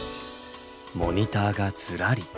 モニターがずらり。